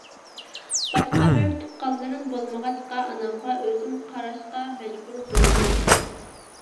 باشقا بىر تۇغقانلىرىم بولمىغاچقا، ئانامغا ئۆزۈم قاراشقا مەجبۇر بولدۇم.